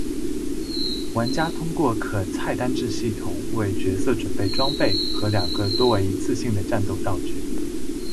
玩家通过可菜单制系统为角色准备装备和两个多为一次性的战斗道具。